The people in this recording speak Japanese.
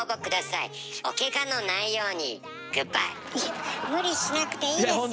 いや無理しなくていいですよ。